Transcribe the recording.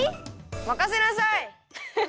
まかせなさい！